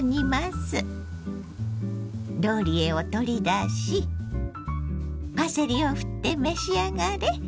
ローリエを取り出しパセリをふって召し上がれ。